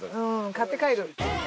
買って帰る。